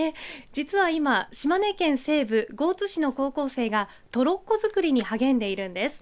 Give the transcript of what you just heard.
実は今、島根県西部江津市の高校生がトロッコづくりに励んでいるんです。